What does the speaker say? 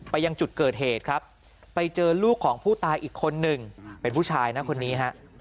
ยังจุดเกิดเหตุครับไปเจอลูกของผู้ตายอีกคนหนึ่งเป็นผู้ชายนะคนนี้ฮะ